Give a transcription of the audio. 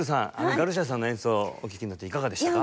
ガルシアさんの演奏お聴きになっていかがでしたか？